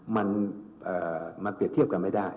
มันเปรียบเทียบกันไม่ได้